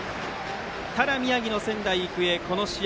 ただ、宮城の仙台育英この試合